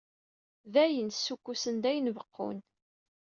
Dayen ssukkusen-d ayen beqqun.